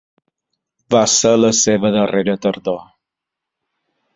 Va ser la seva darrera tardor.